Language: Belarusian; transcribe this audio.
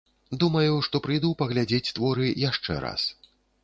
Думаю, што прыйду паглядзець творы яшчэ раз.